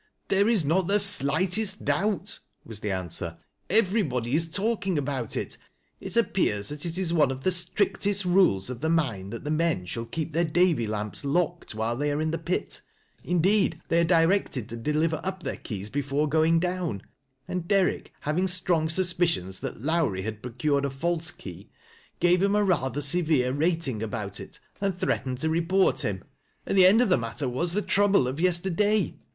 " There is not the slightest doubt," was the answer, " everybod}' is talking about it. It appears that it is one of the strictest rules of the mine that the men shall keep their Davy lamps locked while tliey are in the pit indeed THE NSi Wa AT TEE S.EOTORY. 79 they are directed to deliver up their keys before gv ing down, and Derrick having strong suspicions that Lowrie had procured a false key, gave him a rather severe rating about it, and threatened to report him, and the end of the matter was the trouble of yesterday.